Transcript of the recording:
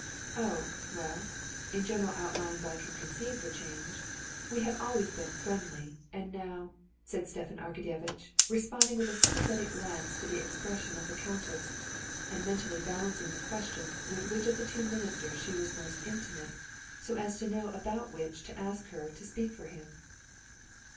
"Oh, well, in general outlines I can conceive the change. We have always been friendly, and now...." said Stepan Arkadyevitch, responding with a sympathetic glance to the expression of the countess, and mentally balancing the question with which of the two ministers she was most intimate, so as to know about which to ask her to speak for him.